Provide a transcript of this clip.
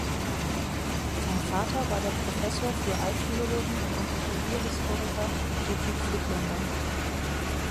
Sein Vater war der Professor für Altphilologie und Kulturhistoriker Ludwig Friedländer.